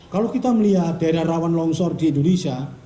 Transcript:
kalau kita melihat daerah rawan longsor di indonesia